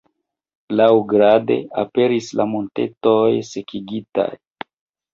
Laŭgrade, aperis la montetoj sekigitaj.